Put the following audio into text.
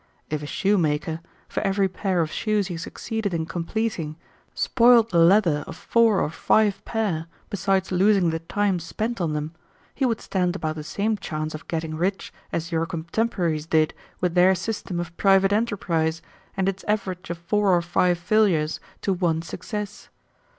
If a shoemaker, for every pair of shoes he succeeded in completing, spoiled the leather of four or five pair, besides losing the time spent on them, he would stand about the same chance of getting rich as your contemporaries did with their system of private enterprise, and its average of four or five failures to one success.